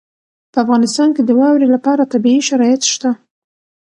په افغانستان کې د واورې لپاره طبیعي شرایط شته.